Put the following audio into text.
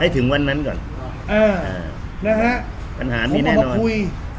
ถึงวันนั้นก่อนอ่านะฮะปัญหานี้แน่นอนคุย